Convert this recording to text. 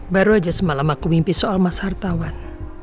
baru aja semalam aku mimpi soal mas hartawan